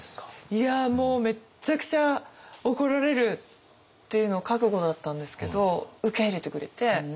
いやもうめっちゃくちゃ怒られるっていうのを覚悟だったんですけど受け入れてくれて。